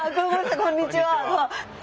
こんにちは。え？